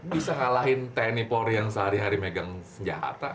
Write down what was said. bisa ngalahin tni polri yang sehari hari megang senjata